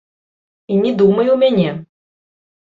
І не думай у мяне!